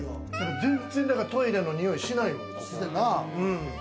全然トイレのにおいしないもん。